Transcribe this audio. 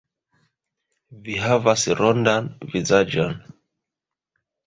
Vi havas rondan vizaĝon.